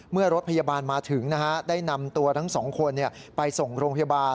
รถพยาบาลมาถึงได้นำตัวทั้งสองคนไปส่งโรงพยาบาล